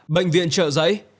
bệnh viện trợ giấy